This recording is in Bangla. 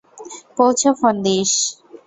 পৌঁছে ফোন দিস।